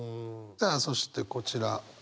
さあそしてこちら。